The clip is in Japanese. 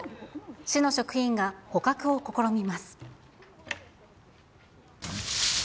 市の職員が捕獲を試みます。